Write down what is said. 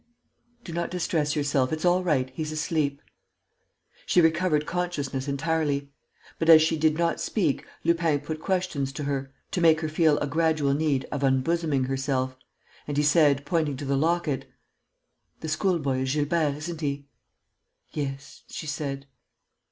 "Do not distress yourself ... it's all right he's asleep." She recovered consciousness entirely. But, as she did not speak, Lupin put questions to her, to make her feel a gradual need of unbosoming herself. And he said, pointing to the locket: "The schoolboy is Gilbert, isn't he?" "Yes," she said.